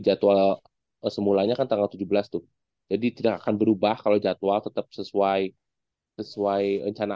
jadwal semulanya kan tanggal tujuh belas tuh jadi tidak akan berubah kalau jadwal tetap sesuai sesuai rencana